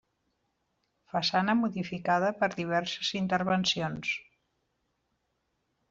Façana modificada per diverses intervencions.